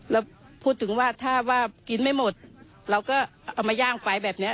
เราพูดถึงว่าถ้าว่ากินไม่หมดเราก็เอามาย่างไปแบบนี้